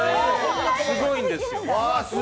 すごいんですよ。